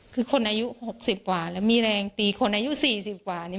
คือคนอายุหกสิบกว่าแล้วมีแรงตีคนอายุสี่สิบกว่านี่